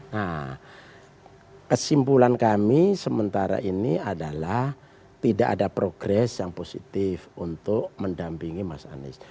nah kesimpulan kami sementara ini adalah tidak ada progres yang positif untuk mendampingi mas anies